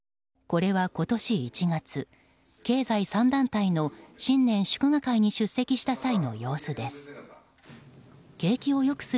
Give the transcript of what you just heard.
これは今年１月、経済３団体の新年祝賀会に出席した際の様子です。